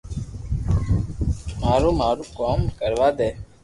مارو مارو ڪوم ڪروا دي